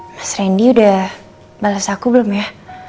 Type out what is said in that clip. mas randy udah balas aku belum ya